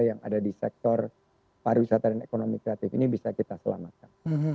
yang ada di sektor pariwisata dan ekonomi kreatif ini bisa kita selamatkan